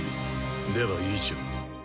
では以上。